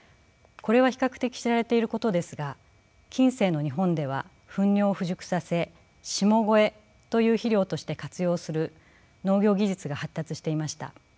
これは比較的知られていることですが近世の日本では糞尿を腐熟させ下肥という肥料として活用する農業技術が発達していました。